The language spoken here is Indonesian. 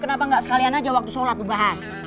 kenapa gak sekalian aja waktu sholat lu bahas